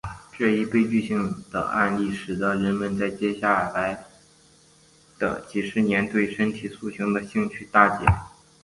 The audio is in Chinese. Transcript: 这一悲剧性的案例使得人们在接下来的几十年里对身体塑形的兴趣大减。